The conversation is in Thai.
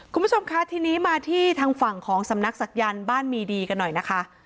คุณผู้ชมคะทีนี้มาที่ทางฝั่งของสำนักศักยันต์บ้านมีดีกันหน่อยนะคะ